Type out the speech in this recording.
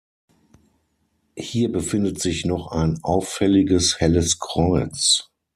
Hier befindet sich noch ein auffälliges helles Kreuz.